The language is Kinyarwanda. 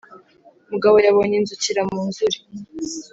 mugabo yabonye inzukira mu nzuri